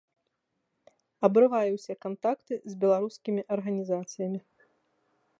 Абрывае ўсе кантакты з беларускімі арганізацыямі.